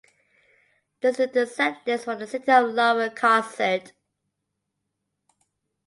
This is the set list for the City of Lover concert.